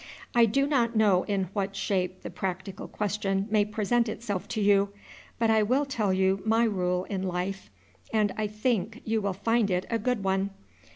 I do not know in what shape the practical question may present itself to you; but I will tell you my rule in life, and I think you will find it a good one.